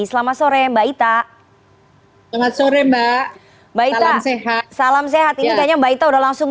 selamat sore mbak ita selamat sore mbak mbak ita sehat salam sehat ini kayaknya mbak ita udah langsung